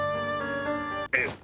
えっ？